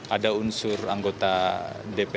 ada unsur anggota dpr